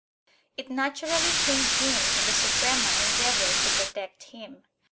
It naturally claimed him and the Suprema endeavored to protect him.